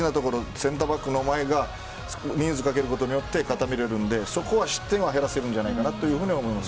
センターバックの前が人数をかけることによって固められるのでそこは失点は減らせるんじゃないかなと思います。